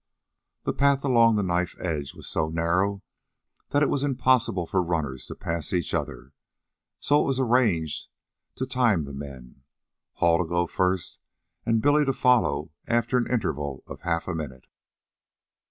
The path along the knife edge was so narrow that it was impossible for runners to pass each other, so it was arranged to time the men, Hall to go first and Billy to follow after an interval of half a minute.